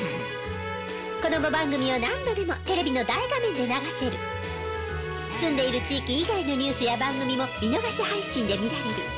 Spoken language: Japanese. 子供番組を何度でもテレビの大画面で流せる！住んでいる地域以外のニュースや番組も見逃し配信で見られる。